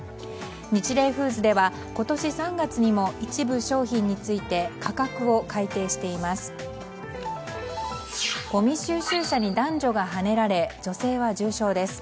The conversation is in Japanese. ニチレイフーズでは今年３月にも一部商品について価格を改定しています。